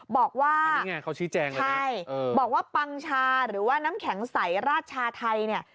บอกว่าบอกว่าปังชาหรือว่าน้ำแข็งใสราชาไทยเนี่ย